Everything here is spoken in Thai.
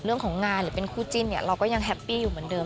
เรื่องของงานหรือเป็นคู่จิ้นเนี่ยเราก็ยังแฮปปี้อยู่เหมือนเดิม